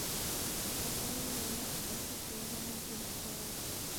La joven Lenore dice que ella no entiende todo eso.